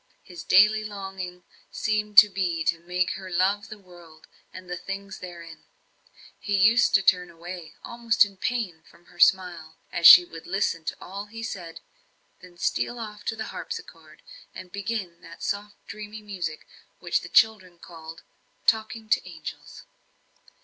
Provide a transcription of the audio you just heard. His daily longing seemed to be to make her love the world, and the things therein. He used to turn away, almost in pain, from her smile, as she would listen to all he said, then steal off to the harpsichord, and begin that soft, dreamy music, which the children called "talking to angels."